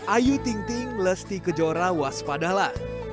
ayu ting ting lesti kejora waspadalah